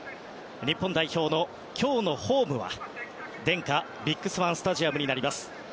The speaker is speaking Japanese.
日本代表の今日のホームはデンカビッグスワンスタジアムになります。